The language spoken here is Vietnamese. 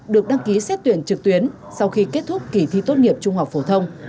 được đăng ký xét tuyển trực tuyến sau khi kết thúc kỳ thi tốt nghiệp trung học phổ thông